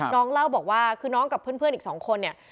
เล่าบอกว่าคือน้องกับเพื่อนอีกสองคนเนี่ย